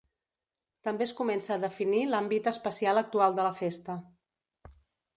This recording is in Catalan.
També es comença a definir l'àmbit espacial actual de la festa.